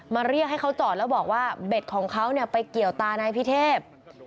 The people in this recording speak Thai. เรียกให้เขาจอดแล้วบอกว่าเบ็ดของเขาไปเกี่ยวตานายพิเทพ